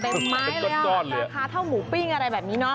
เป็นไม้ราคาเท่าหมูปี๊งอะไรแบบนี้น้อ